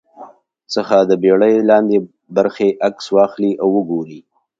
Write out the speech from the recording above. څخه د بېړۍ لاندې برخې عکس واخلي او وګوري